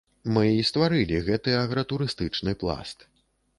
Мы і стварылі гэты агратурыстычны пласт.